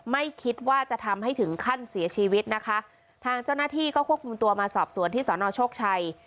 ไม่คิดว่าจะทำให้ถึงขั้นเสียชีวิตนะคะทางเจ้าหน้าที่ก็ควบคุมตัวมาสอบสวนที่สอนอโชคชัย